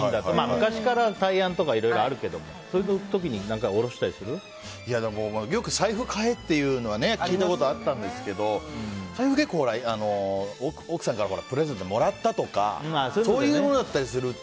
昔から大安とかはあるけどよく財布買えって言うのは聞いたことあったんですけど財布は結構、奥さんからプレゼントでもらったとかそういうものだったりすると。